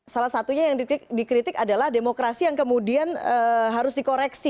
salah satunya yang dikritik adalah demokrasi yang kemudian harus dikoreksi